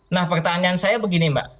nah pertanyaan saya begini mbak